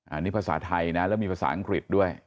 อันนี้ภาษาไทยนะแล้วมีภาษาอังกฤษด้วย